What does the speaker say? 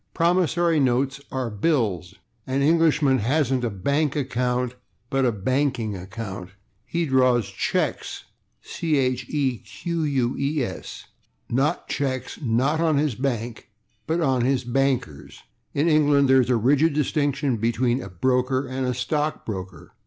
Promissory notes are /bills/. An Englishman hasn't a /bank account/, but a /banking account/. He draws /cheques/ (not /checks/), not on his /bank/, but on his /bankers/. In England there is a rigid distinction between a /broker/ and a /stock broker